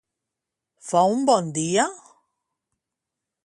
Fa un bon dia?